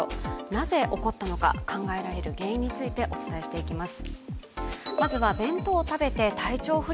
なぜ起こったのか、考えられる原因についてお伝えしていきます。